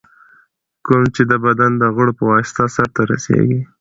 کوم چي د بدن د غړو په واسطه سرته رسېږي.